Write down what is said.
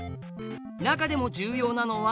中でも重要なのは